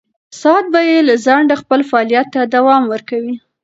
ساعت به بې له ځنډه خپل فعالیت ته دوام ورکوي.